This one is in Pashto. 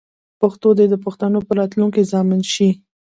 پښتو دې د پښتنو د راتلونکې ضامن شي.